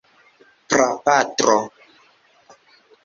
prapatro